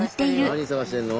何探してんの？